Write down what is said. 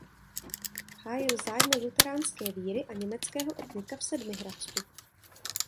Hájil zájmy luteránské víry a německého etnika v Sedmihradsku.